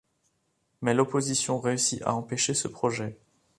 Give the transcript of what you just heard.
Mais l'opposition réussit à empêcher ce projet.